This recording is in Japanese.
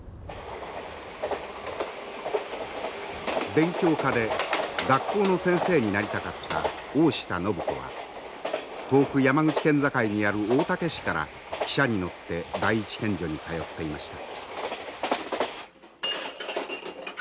勉強家で学校の先生になりたかった大下靖子は遠く山口県境にある大竹市から汽車に乗って第一県女に通っていました。